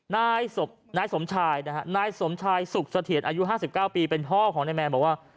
นายสมชายนะฮะนายสมชายสุขเสถียรอายุ๕๙ปีเป็นพ่อของนายแมนบอกว่า